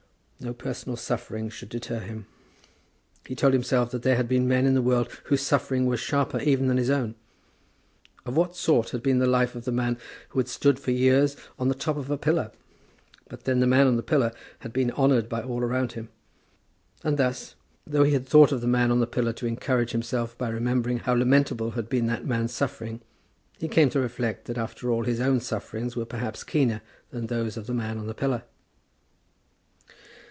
No personal suffering should deter him. He told himself that there had been men in the world whose sufferings were sharper even than his own. Of what sort had been the life of the man who had stood for years on the top of a pillar? But then the man on the pillar had been honoured by all around him. And thus, though he had thought of the man on the pillar to encourage himself by remembering how lamentable had been that man's suffering, he came to reflect that after all his own sufferings were perhaps keener than those of the man on the pillar.